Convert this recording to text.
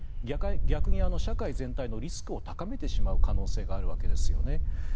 逆に社会全体のリスクを高めてしまう可能性があるわけですよね。